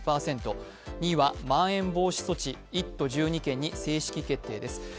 ２位はまん延防止措置、１都１２県に正式決定です。